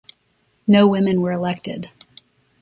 No women were elected.